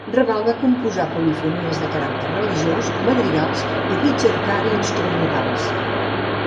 Raval va composar polifonies de caràcter religiós, madrigals i "ricercari" instrumentals.